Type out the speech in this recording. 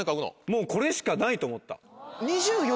もうこれしかないと思った。